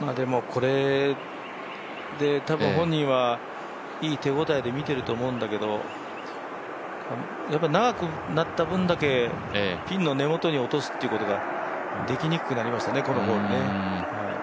これで多分本人は、いい手応えで見ていると思うんだけど、長くなった分だけ、ピンの根本に落とすということができにくくなりましたね、このホールね。